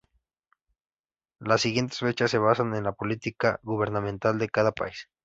Las siguientes fechas se basan en la política gubernamental de cada país.